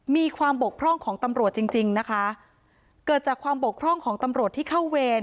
มีความบกพร่องของตำรวจจริงจริงนะคะเกิดจากความบกพร่องของตำรวจที่เข้าเวร